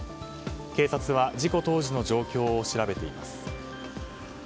警察は、事故当時の状況を調べています。